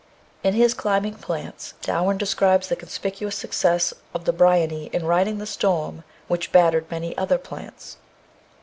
In his Climbing Plants Darwin describes the conspicuous success of the bryony in riding the storm which battered many other plants.